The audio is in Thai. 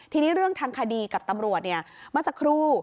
ทีนี้เรื่องทางคดีกับตำรวจเมื่อสักครู่